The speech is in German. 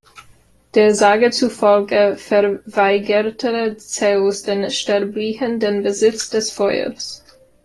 Der Sage zufolge verweigerte Zeus den Sterblichen den Besitz des Feuers.